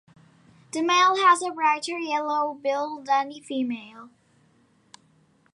The male has a brighter yellow bill than the female.